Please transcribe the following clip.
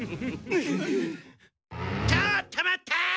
ちょっと待った！